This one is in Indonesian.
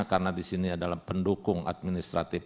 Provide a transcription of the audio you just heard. karena di sini adalah pendukung administratif